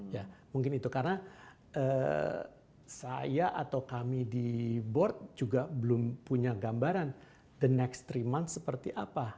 ya mungkin itu karena saya atau kami di board juga belum punya gambaran the nextre month seperti apa